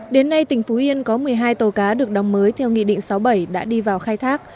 đến nay tỉnh phú yên có một mươi hai tàu cá được đóng mới theo nghị định sáu mươi bảy đã đi vào khai thác